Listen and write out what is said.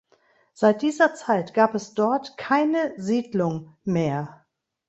Seit dieser Zeit gab es dort keine Siedlung mehr.